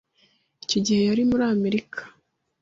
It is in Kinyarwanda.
Icyo gihe yari muri Amerika.